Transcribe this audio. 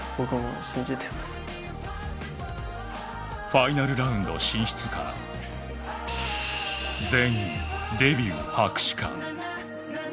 ファイナルラウンド進出か、全員デビュー白紙か。